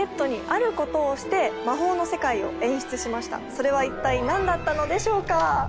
それは一体何だったのでしょうか？